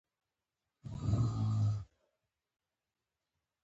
د میاشتنۍ ناروغۍ د ملا درد لپاره باید څه وکړم؟